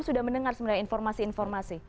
atau dari informasi informasi